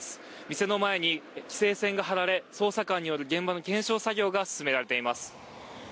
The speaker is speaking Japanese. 店の前に規制線が張られ捜査官による現場の検証作業が進められています。